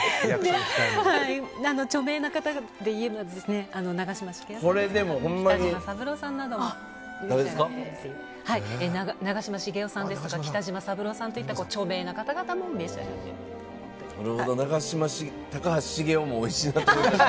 著名な方で言えば長嶋茂雄さんとか北島三郎さんといった著名な方々も召し上がっています。